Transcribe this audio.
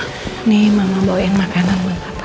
ini mama bawa makanan buat bapak